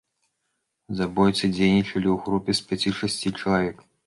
Забойцы дзейнічалі ў групе з пяці-шасці чалавек.